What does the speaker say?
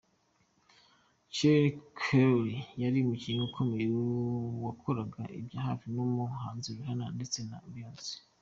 Shirlene Quigley yari umubyinnyi ukomeye wakoranaga bya hafi n’umuhanzi Rihanna ndetse na Beyonce.